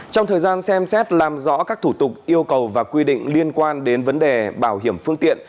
trong thời gian xem xét làm rõ các thủ tục yêu cầu và quy định liên quan đến vấn đề bảo hiểm phương tiện